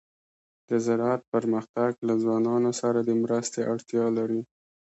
د زراعت پرمختګ له ځوانانو سره د مرستې اړتیا لري.